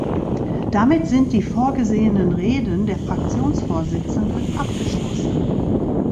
Damit sind die vorgesehenen Reden der Fraktionsvorsitzenden abgeschlossen.